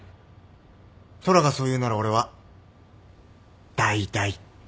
虎がそう言うなら俺は大大大。